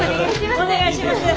お願いします。